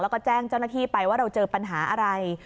แล้วก็แจ้งเจ้าหน้าที่ไปว่าเราเจอปัญหาอะไร